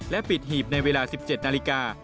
ปิดหีบในเวลา๑๗นาฬิกา